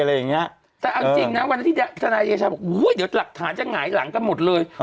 เดี๋ยวหลักฐานจะหงายหลังกันหมดเลย